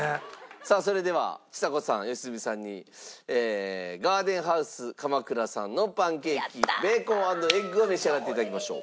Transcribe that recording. さあそれではちさ子さん良純さんにＧＡＲＤＥＮＨＯＵＳＥＫａｍａｋｕｒａさんのパンケーキベーコン＆エッグを召し上がって頂きましょう。